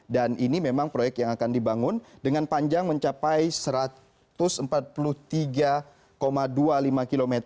dan ini memang proyek yang akan dibangun dengan panjang mencapai satu ratus empat puluh tiga dua puluh lima km